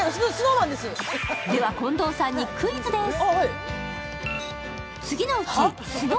では、近藤さんにクイズです。